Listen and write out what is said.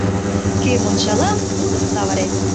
Ком ончалам, тудым савырем.